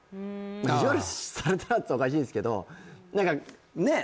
「意地悪されたら」っておかしいんすけど何かねえ